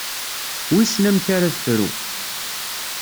Wissen amek ara tefru.